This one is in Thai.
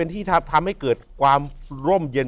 ที่ทำให้เกิดความร่มเย็น